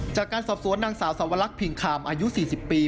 จากการสอบสวนนางสาวสาวลักษมณ์ผิงขามอายุ๔๐ปี